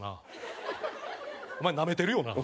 お前ナメてるよな？